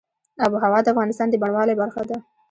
آب وهوا د افغانستان د بڼوالۍ برخه ده.